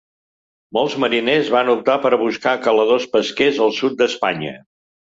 Molts mariners van optar per buscar caladors pesquers al sud d'Espanya.